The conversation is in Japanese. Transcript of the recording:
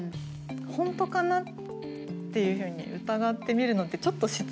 「本当かな？」っていうふうに疑ってみるのってちょっと失礼じゃないですか。